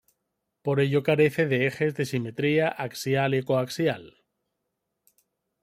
Por ello carece de ejes de simetría axial y coaxial.